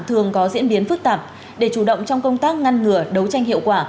thường có diễn biến phức tạp để chủ động trong công tác ngăn ngừa đấu tranh hiệu quả